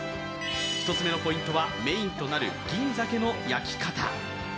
１つ目のポイントはメインとなる銀鮭の焼き方。